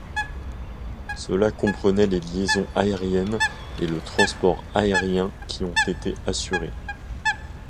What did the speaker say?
Cela comprenait les liaisons aériennes et le transport aérien qui ont été assurés.